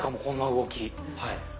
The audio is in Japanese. こんな動き。